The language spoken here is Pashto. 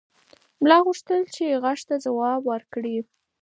ملا غوښتل چې غږ ته ځواب ورکړي.